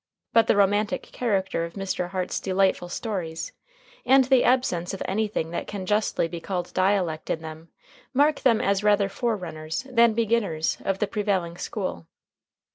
But the romantic character of Mr. Harte's delightful stories and the absence of anything that can justly be called dialect in them mark them as rather forerunners than beginners of the prevailing school.